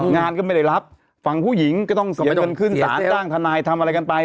งานก็ไม่ได้รับฝั่งผู้หญิงก็ต้องเสียเงินขึ้นสารจ้างทนายทำอะไรกันไป